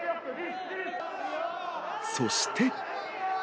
そして。